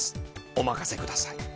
お任せください。